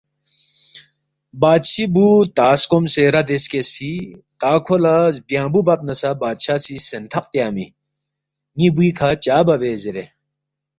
بادشی بوُ تا سکومسے ردے سکیسفی، تا کھو لہ زبیانگبوُ بب نہ سہ بادشاہ سی سینٹھق تیانگمی، ن٘ی بُوی کھہ چا بَبے زیرے